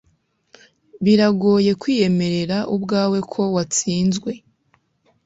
Biragoye kwiyemerera ubwawe ko watsinzwe